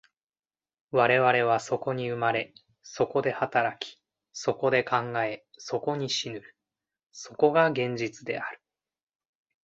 我々はそこに生まれ、そこで働き、そこで考え、そこに死ぬる、そこが現実である。